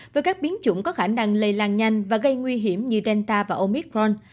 với các biến chủng có khả năng lây lan nhanh và gây nguy hiểm như genta và omicron